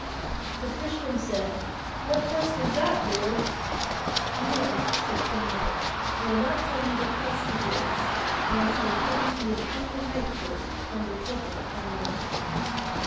Sir Tristram said, "What quest is that, Lord?" "Nay," said King Mark, "I will not tell you what quest it is unless you will promise me upon your knighthood to undertake it upon my behalf."